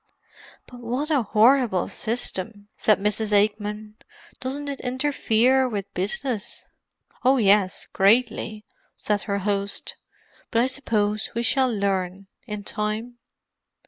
"But what a horrible system!" said Mrs. Aikman. "Doesn't it interfere with business?" "Oh yes, greatly," said her host. "But I suppose we shall learn, in time."